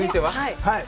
はい。